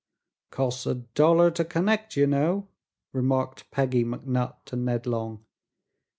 "Costs a dollar to connect, ye know," remarked Peggy McNutt to Ned Long.